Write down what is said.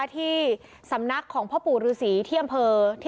ทั้งหมดนี้คือลูกศิษย์ของพ่อปู่เรศรีนะคะ